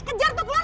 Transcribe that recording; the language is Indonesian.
kejar tuh keluar